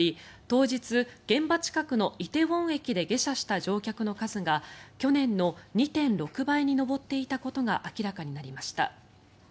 当日、現場近くの梨泰院駅で下車した乗客の数が去年の２．６倍に上っていたことが明らかになりました。